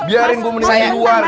biarin gue mendingan keluar